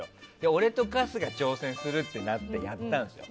俺と春日、挑戦するってなってやったんですよ。